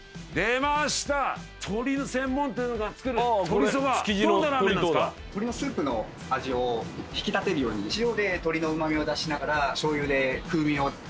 鶏のスープの味を引き立てるように塩で鶏のうま味を出しながらしょうゆで風味を出す。